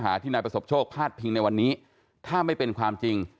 ที่นายประสบโชคพาดพิงในวันนี้ถ้าไม่เป็นความจริง